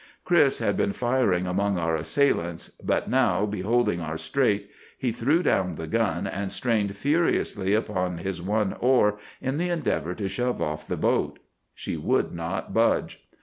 "Chris had been firing among our assailants; but now, beholding our strait, he threw down the gun, and strained furiously upon his one oar in the endeavor to shove off the boat. She would not budge.